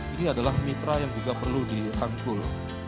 ini adalah mitra yang juga perlu dirangkul